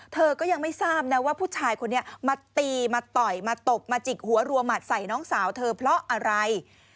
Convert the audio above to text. เธอก็ยังไม่ทราบนะว่าผู้ชายคนนี้มาตีมาต่อยมาตบมาจิกหัวรัวหมัดใส่น้องสาวเธอเพราะอะไร